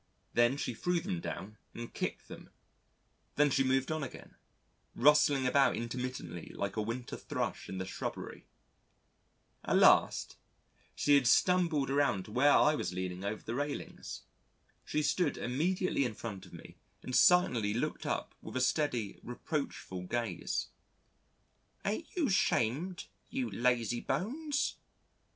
Then she threw them down, and kicked them. Then moved on again rustling about intermittently like a winter Thrush in the shrubbery. At last, she had stumbled around to where I was leaning over the railings. She stood immediately in front of me and silently looked up with a steady reproachful gaze: "Ain't you 'shamed, you lazy bones?"